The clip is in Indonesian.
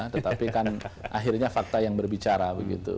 tetapi kan akhirnya fakta yang berbicara begitu